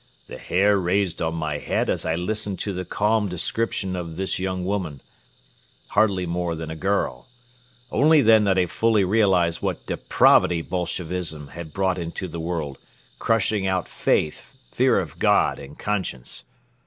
"The hair raised on my head as I listened to the calm description of this young woman, hardly more than a girl. Only then did I fully realize what depravity Bolshevism had brought into the world, crushing out faith, fear of God and conscience.